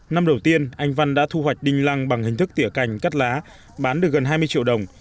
năm đầu tiên anh văn đã thu hoạch đinh lăng bằng hình thức tỉa cành cắt lá bán được gần hai mươi triệu đồng